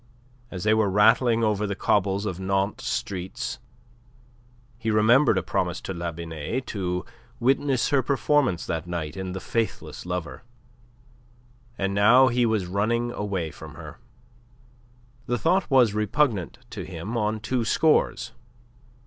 As they were rattling over the cobbles of Nantes' streets, he remembered a promise to La Binet to witness her performance that night in "The Faithless Lover." And now he was running away from her. The thought was repugnant to him on two scores.